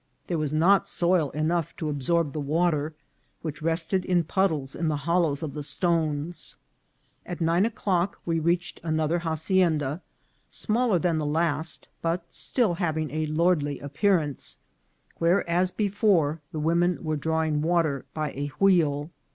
There was not soil enough to absorb the water, which rested in puddles in the hollows of the stones. At nine o'clock we reached another hacienda, smaller than the last, but still having a lordly appearance, where, as before, the women were drawing water by a wheel.